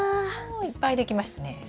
おいっぱいできましたね。